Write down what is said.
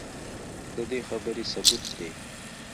ددې خبرې ثبوت دے